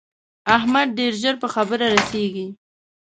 احمد ډېر ژر په خبره رسېږي.